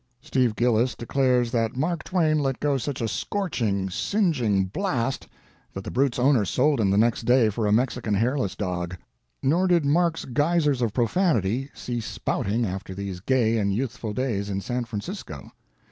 "Steve Gillis declares that Mark Twain let go such a scorching, singeing blast that the brute's owner sold him the next day for a Mexican hairless dog." Nor did Mark's "geysers of profanity" cease spouting after these gay and youthful days in San Francisco.